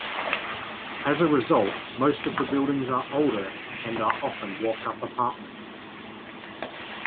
As a result, most of the buildings are older, and are often walk-up apartments.